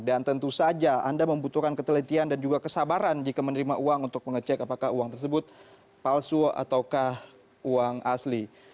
dan tentu saja anda membutuhkan ketelitian dan juga kesabaran jika menerima uang untuk mengecek apakah uang tersebut palsu ataukah uang asli